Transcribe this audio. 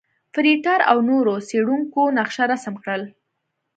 فرېټر او نورو څېړونکو نقشه رسم کړل.